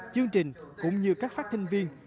chương trình cũng như các phát thanh viên